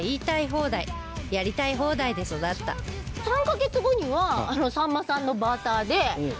３カ月後にはさんまさんのバーターで。